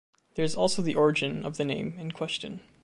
This is also the origin of the name in question.